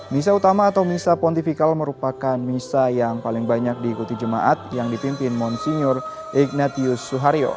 misa utama atau misa pontifikal merupakan misa yang paling banyak diikuti jemaat yang dipimpin monsenyur ignatius suharyo